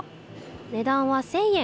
値段は１０００円。